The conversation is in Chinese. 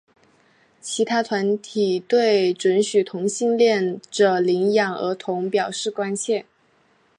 其他团体对准许同性恋者领养儿童表示关切。